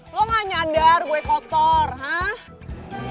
lo gak nyadar gue kotor